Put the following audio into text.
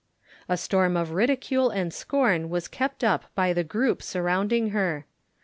A storm of ridicule and scorn was kept up by the group surrounding her.